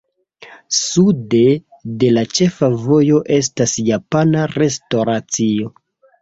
Sude de la ĉefa vojo estas japana restoracio.